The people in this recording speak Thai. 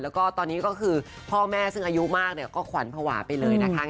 แล้วก็ตอนนี้ก็คือพ่อแม่ซึ่งอายุมากเนี่ยก็ขวัญภาวะไปเลยนะคะ